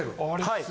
はい。